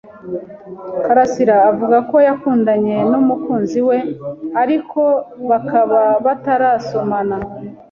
karasira avuga ko yakundanye n'umukunzi we, ariko bakaba batarasomana.